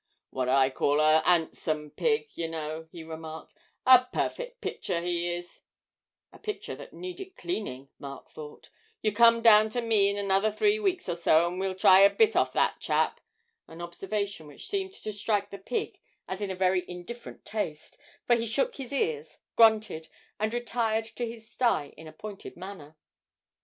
'What I call a 'andsome pig, yer know,' he remarked; 'a perfect picture, he is' (a picture that needed cleaning, Mark thought) 'you come down to me in another three weeks or so, and we'll try a bit off of that chap' an observation which seemed to strike the pig as in very indifferent taste, for he shook his ears, grunted, and retired to his sty in a pointed manner.